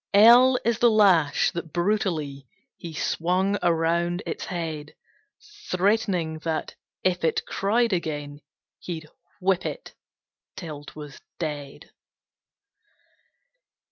L L is the Lash, that brutally He swung around its head, Threatening that "if it cried again, He'd whip it till 'twas dead."